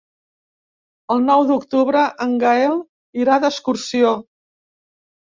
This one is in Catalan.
El nou d'octubre en Gaël irà d'excursió.